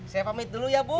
saya pamit dulu ya bu